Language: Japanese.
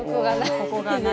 ここが何。